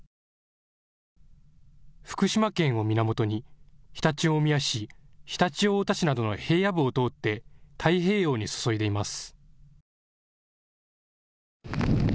福島県を源に常陸大宮市、常陸太田市などの平野部を通って太平洋に注いでいます。